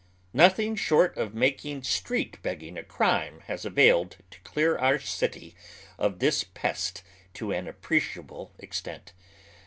Nothing short of making street begging a crime has availed to clear our city of this pest to an appreciable ex tent.